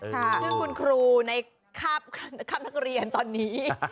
ซึ่งคุณครูในคาบนักเรียนตอนนี้